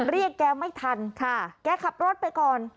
เรียกแกไม่ทันแกขับรถไปก่อน